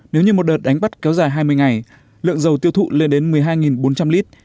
nếu như một đợt đánh bắt kéo dài hai mươi ngày lượng dầu tiêu thụ lên đến một mươi hai bốn trăm linh lít